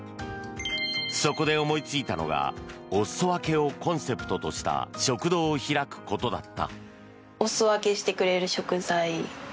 そこで思いついたのがお裾分けをコンセプトとした食堂を開くことだった。